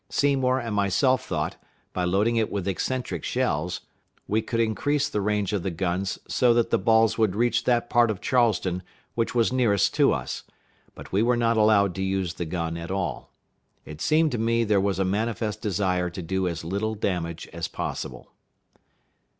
Seymour and myself thought, by loading it with eccentric shells, we could increase the range of the guns so that the balls would reach that part of Charleston which was nearest to us; but we were not allowed to use the gun at all. It seemed to me there was a manifest desire to do as little damage as possible.